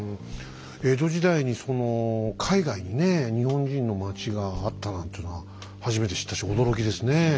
江戸時代にその海外にね日本人の町があったなんていうのは初めて知ったし驚きですね。